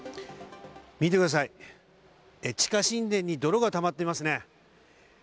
見てください、地下神殿に泥がたまっていますね。